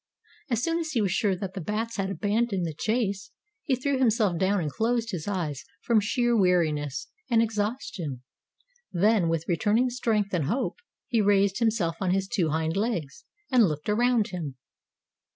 As soon as he was sure that the bats had abandoned the chase, he threw himself down and closed his eyes from sheer weariness and exhaustion. Then, with returning strength and hope, he raised himself on his two hind legs, and looked around him.